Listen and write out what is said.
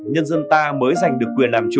nhân dân ta mới giành được quyền làm chủ